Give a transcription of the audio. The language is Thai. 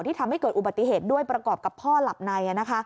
ทำให้เกิดอุบัติเหตุด้วยประกอบกับพ่อหลับใน